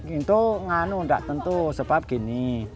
itu nganuh enggak tentu sebab gini